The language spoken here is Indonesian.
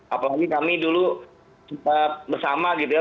apalagi kami dulu bersama gitu ya